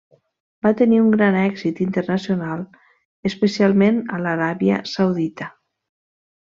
Va tenir un gran èxit internacional, especialment a l'Aràbia Saudita.